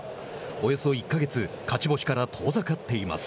およそ１か月勝ち星から遠ざかっています。